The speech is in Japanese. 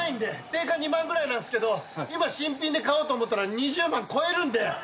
定価２万ぐらいなんですけど今新品で買おうと思ったら２０万超えるんで。